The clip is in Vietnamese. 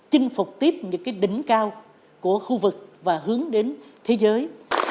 chinh phục tiếp những cái đỉnh cao của khu vực và hướng đến thế giới